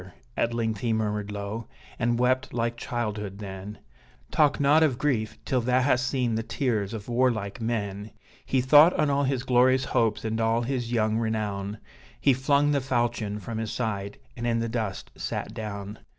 at length he murmured low, and wept like childhood, then Talk not of grief till thou hast seen the tears of warlike men! He thought on all his glorious hopes, and all his young renown, He flung the falchion from his side, and in the dust sat down.